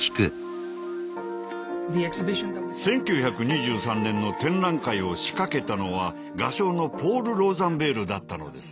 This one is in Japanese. １９２３年の展覧会を仕掛けたのは画商のポール・ローザンベールだったのです。